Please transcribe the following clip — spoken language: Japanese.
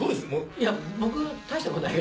いや僕大したことないからね。